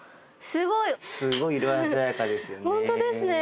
すごい色鮮やかですよね。